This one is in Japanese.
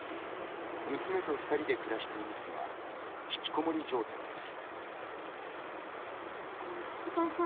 娘と２人で暮らしていますがひきこもり状態です。